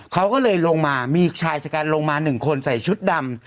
เขาก็เลยลงมามีชายชะกันลงมาหนึ่งคนใส่ชุดดำ